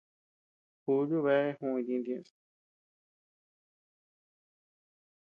Julio bea juʼu itintu ñeʼës.